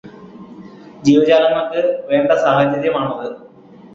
ജീവജാലങ്ങള്ക്ക് വേണ്ട സാഹചര്യമാണത്